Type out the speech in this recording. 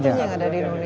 ini ada di indonesia